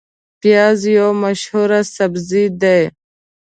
پیاز یو مشهور سبزی دی